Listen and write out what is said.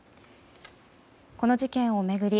この事件を巡り